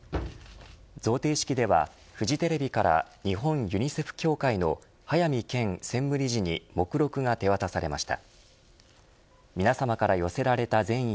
贈呈式ではフジテレビから日本ユニセフ協会の早水研専務理事に目録が手渡されました。